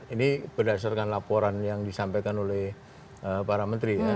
ini berdasarkan laporan yang disampaikan oleh para menteri ya